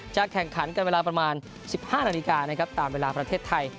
แข่งขันกันเวลาประมาณ๑๕นาฬิกานะครับตามเวลาประเทศไทย